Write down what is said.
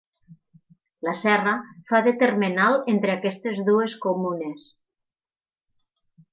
La serra fa de termenal entre aquestes dues comunes.